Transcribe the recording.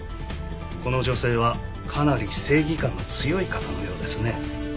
この女性はかなり正義感の強い方のようですね。